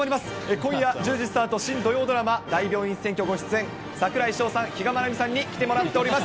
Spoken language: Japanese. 今夜１０時スタート、新土曜ドラマ、大病院占拠ご出演、櫻井翔さん、比嘉愛未さんに来てもらっております。